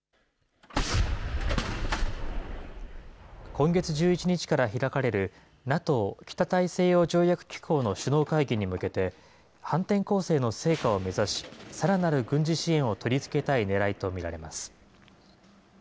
今月１１日から開かれるＮＡＴＯ・北大西洋条約機構の首脳会議に向けて、反転攻勢の成果を目指し、さらなる軍事支援を取り付けたいねらいと見られます。